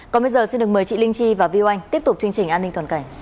còn bây giờ xin được mời chị linh chi và viu anh tiếp tục chương trình an ninh toàn cảnh